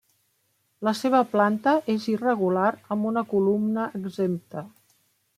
La seva planta és irregular amb una columna exempta.